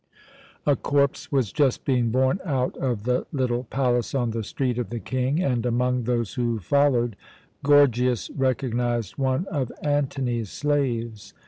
A corpse was just being borne out of the little palace on the Street of the King and, among those who followed, Gorgias recognized one of Antony's slaves.